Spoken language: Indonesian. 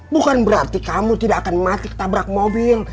bukan berarti kamu tidak akan mati tabrak mobil